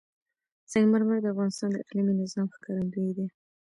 سنگ مرمر د افغانستان د اقلیمي نظام ښکارندوی ده.